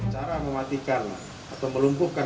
cara mematikan atau melumpuhkan